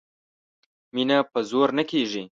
مینه په زور نه کیږي